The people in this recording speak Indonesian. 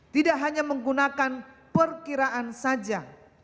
tidak hanya menggunakan perkiraan saja